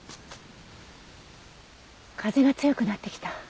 風が強くなってきた。